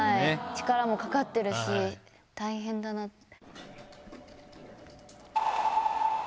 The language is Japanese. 力もかかってるし大変だなって。